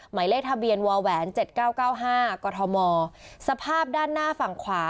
ไหมเลขทะเบียนวาแหวนเจ็ดเก้าเก้าห้าก่อทอมสภาพด้านหน้าฝั่งขวา